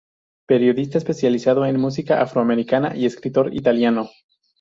Periodista especializado en música afroamericana y escritor italiano.